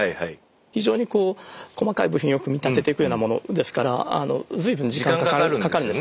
非常にこう細かい部品を組み立てていくようなものですから随分時間がかかるんです。